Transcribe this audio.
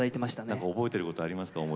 何か覚えてることありますか？